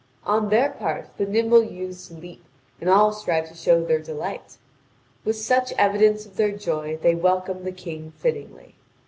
On their part the nimble youths leap, and all strive to show their delight. With such evidence of their joy, they welcome the King fittingly.